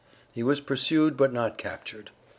He was pursued but not captured.